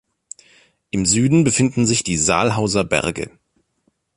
Im Süden befinden sich die Saalhauser Berge.